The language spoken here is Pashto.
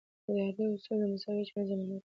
اداري اصول د مساوي چلند ضمانت کوي.